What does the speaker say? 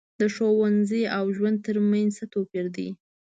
د ښوونځي او ژوند تر منځ څه توپیر دی.